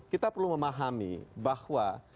kita perlu memahami bahwa